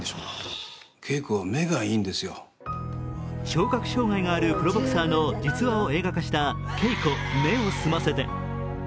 聴覚障害があるボクサーの実話を映画化した「ケイコ目を澄ませて」。